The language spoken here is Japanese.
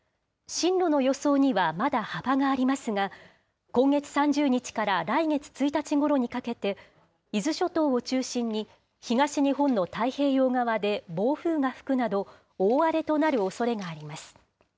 進路の予想にはまだ幅がありますが、今月３０日から来月１日ごろにかけて、伊豆諸島を中心に東日本の太平洋側で暴風が吹くなど、大荒れとなるおそれがあります。